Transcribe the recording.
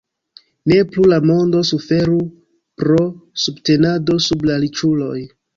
Ne plu la mondo suferu pro subtenado sub la riĉuloj